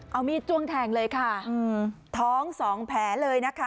เอามีดจ้วงแทงเลยค่ะท้องสองแผลเลยนะคะ